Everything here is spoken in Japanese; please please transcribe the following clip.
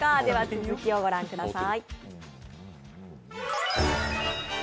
続きを御覧ください。